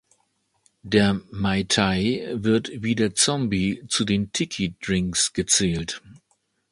Der Mai Tai wird wie der Zombie zu den Tiki-Drinks gezählt.